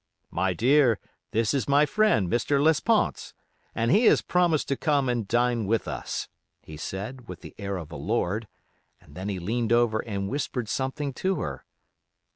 'My dear, this is my friend, Mr. Lesponts, and he has promised to come and dine with us,' he said, with the air of a lord, and then he leaned over and whispered something to her.